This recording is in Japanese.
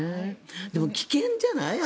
でも危険じゃない？